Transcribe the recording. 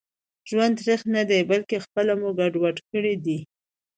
ژوند تريخ ندي بلکي خپله مو ګډوډ کړي دي